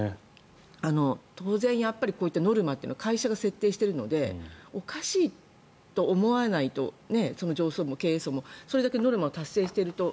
当然、こういったノルマって会社が設定しているのでおかしいと思わないと上層部も経営層もそれだけノルマを達成していると。